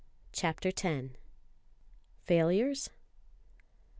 CHAPTER X Failures?